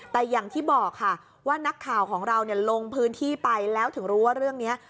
แต่อย่างที่บอกค่ะว่านักข่าวของเราลงพื้นที่ไปแล้วถึงรู้ว่าเรื่องนี้